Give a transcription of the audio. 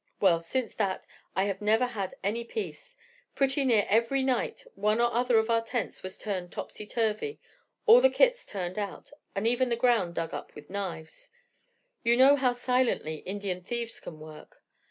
Well, since that I have never had any peace; pretty near every night one or other of our tents was turned topsy turvy, all the kits turned out, and even the ground dug up with knives. You know how silently Indian thieves can work.